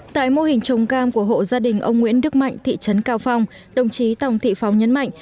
tại mô hình trồng cam của hộ gia đình ông nguyễn đức mạnh thị trấn cao phong đồng chí tòng thị phóng nhấn mạnh